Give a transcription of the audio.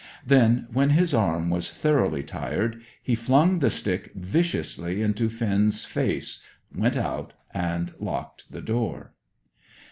Then, when his arm was thoroughly tired, he flung the stick viciously into Finn's face, went out, and locked the door.